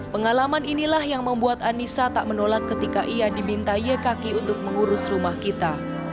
pengalaman inilah yang membuat anissa tak menolak ketika ia diminta y kaki untuk mengurus rumah kita